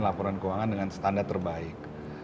laporan keuangan dengan standar terbaik